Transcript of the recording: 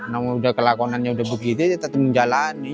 namanya kelakonannya sudah begitu tetap menjalani